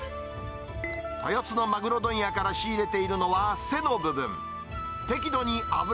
豊洲のマグロ問屋から仕入れているのは背の部分。